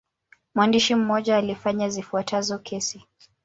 Mwandishi mmoja alifanya zifuatazo kesi.